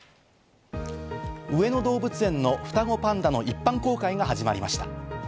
上野動物園の双子パンダの一般公開が始まりました。